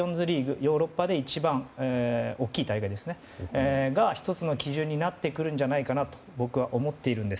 ヨーロッパで一番大きい大会が１つの基準になってくるんじゃないかと僕は思っているんです。